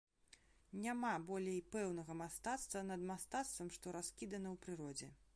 Няма болей пэўнага мастацтва над мастацтвам, што раскідана ў прыродзе.